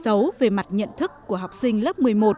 xấu về mặt nhận thức của học sinh lớp một mươi một